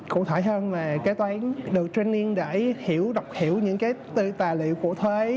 cụ thể hơn là kế toán được training để hiểu đọc hiểu những cái tài liệu của thuế